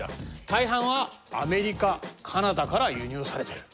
大半はアメリカカナダから輸入されてる。